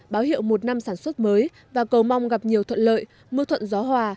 báo hiệu một năm sản xuất mới và cầu mong gặp nhiều thuận lợi mưa thuận gió hòa